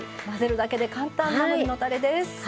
混ぜるだけで簡単ナムルのたれです。